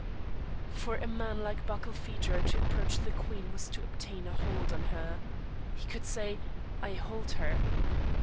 For a man like Barkilphedro to approach the queen was to obtain a hold on her. He could say, "I hold her."